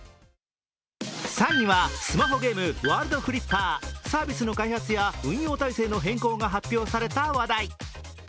３位はスマホゲーム「ワールドフリッパー」、サービスの開発や運用体制の変更が発表された話題。